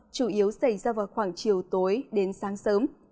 chủ yếu xảy ra vào khoảng chiều tối đến sáng sớm